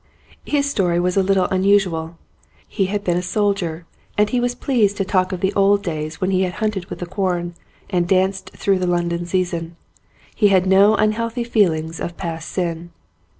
His story was a little unusual. He had been a soldier and he was pleased to talk of the old days when he had hunted with the Quorn and danced through the London season. He had no un healthy feeling of past sin.